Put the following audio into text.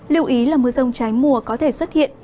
lưu ý là mưa rông trái mùa có thể xuất hiện